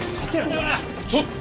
ちょっと！